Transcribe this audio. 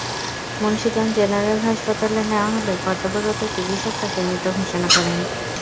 Munshiganj general হাসপাতালে নেওয়া হলে কর্তব্যরত চিকিৎসক তাঁকে মৃত ঘোষণা করেন।